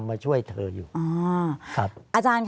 ภารกิจสรรค์ภารกิจสรรค์